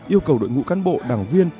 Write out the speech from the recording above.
yêu cầu đội ngũ cán bộ đảng viên